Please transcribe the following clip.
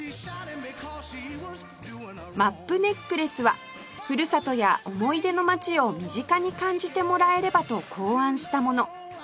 マップネックレスはふるさとや思い出の街を身近に感じてもらえればと考案したもの